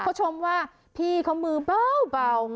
เขาชมว่าพี่เขามือเบา